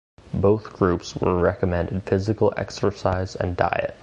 Both groups were recommended physical exercise and diet.